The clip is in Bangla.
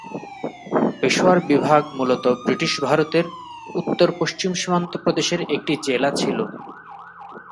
পেশোয়ার বিভাগ মূলত ব্রিটিশ ভারতের উত্তর-পশ্চিম সীমান্ত প্রদেশের একটি জেলা ছিল।